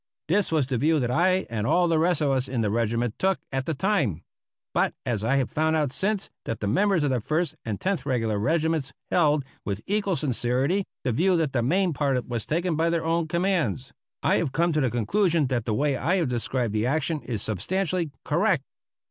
This was the view that I and all the rest of us in the regiment took at the time; but as I had found since that the members of the First and Tenth Regular Regiments held with equal sincerity the view that the main part was taken by their own commands, I have come to the conclusion that the way I have described the action is substantially correct.